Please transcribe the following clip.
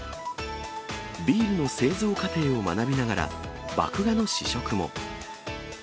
ビールの製造過程を学びながら、麦芽の試食も。